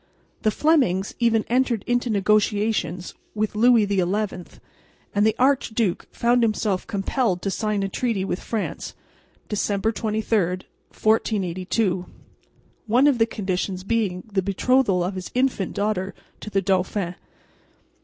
The Flemings even entered into negotiations with Louis XI; and the archduke found himself compelled to sign a treaty with France (December 23, 1482), one of the conditions being the betrothal of his infant daughter to the dauphin.